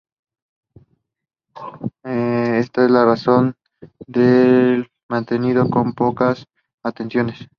Por esta razón se ha mantenido con pocas alteraciones toda su fisonomía medieval.